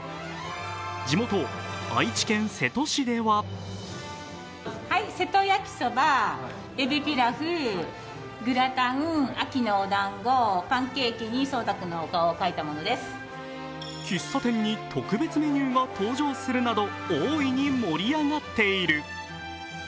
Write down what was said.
地元・愛知県瀬戸市では喫茶店に特別メニューが登場するなど大いに盛り上がっている。